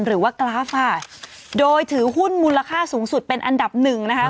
กราฟค่ะโดยถือหุ้นมูลค่าสูงสุดเป็นอันดับหนึ่งนะคะ